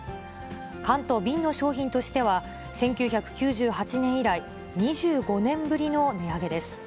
缶と瓶の商品としては、１９９８年以来、２５年ぶりの値上げです。